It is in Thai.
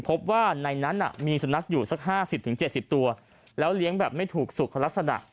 พบว่าในนั้นมีสุนัขอยู่สัก๕๐๗๐ตัวแล้วเลี้ยงแบบไม่ถูกสุขลักษณะ